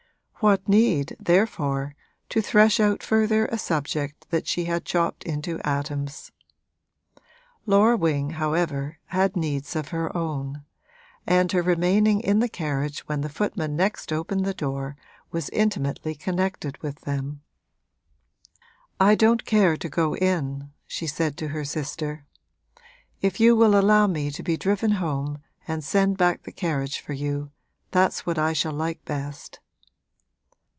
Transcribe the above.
What need, therefore, to thresh out further a subject that she had chopped into atoms? Laura Wing, however, had needs of her own, and her remaining in the carriage when the footman next opened the door was intimately connected with them. 'I don't care to go in,' she said to her sister. 'If you will allow me to be driven home and send back the carriage for you, that's what I shall like best.'